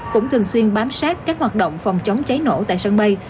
cũng thường xuyên bám sát các hoạt động phòng chống cháy nổ tại sân bay